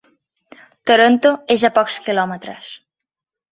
Toronto és a pocs quilòmetres.